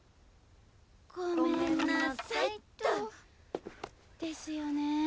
ごめんなさいっと。ですよね。